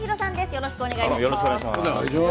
よろしくお願いします。